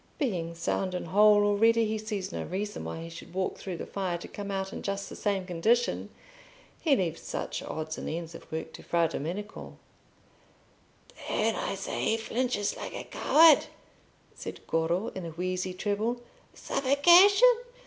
Being sound and whole already, he sees no reason why he should walk through the fire to come out in just the same condition. He leaves such odds and ends of work to Fra Domenico." "Then I say he flinches like a coward," said Goro, in a wheezy treble. "Suffocation!